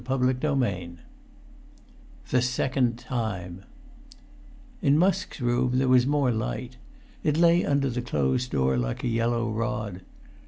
[Pg 390] XXXII THE SECOND TIME In Musk's room there was more light. It lay under the closed door like a yellow rod.